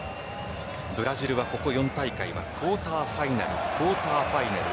ブラジルはここ４大会はクオーターファイナルクオーターファイナル